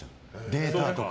データとか。